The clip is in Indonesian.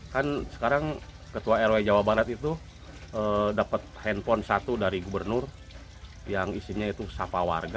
kan sekarang ketua rw jawa barat itu dapat handphone satu dari gubernur yang isinya itu sapa warga